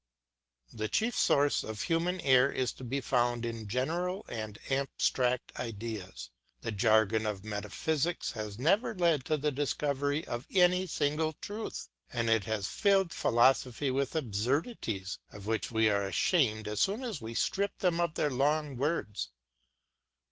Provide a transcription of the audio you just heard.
The chief source of human error is to be found in general and abstract ideas; the jargon of metaphysics has never led to the discovery of any single truth, and it has filled philosophy with absurdities of which we are ashamed as soon as we strip them of their long words.